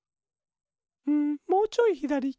うんもうちょいひだり。